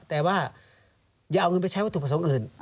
แต่ว่าอย่าเอาเงินไปใช้วัตถุประสงค์อื่น